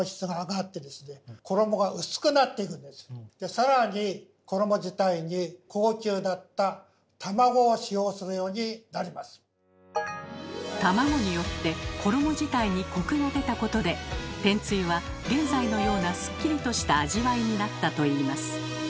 更に卵によって衣自体にコクが出たことで天つゆは現在のようなスッキリとした味わいになったといいます。